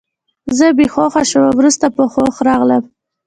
زه بې هوښه شوم او وروسته په هوښ راغلم